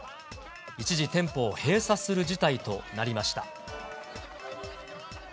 一時、店舗を閉鎖する事態となりました。